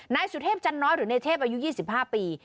ไหนสุเทพิ์จันทร์น้อยหรือไหนเทพอายุ๒๕ปี